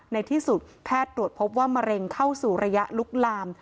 ในที่สุดแพทย์ตรวจพบว่ามะเร็งเข้าสู่ระยะลุกลาม